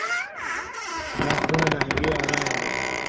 دا خونه له هغې ارامه ده.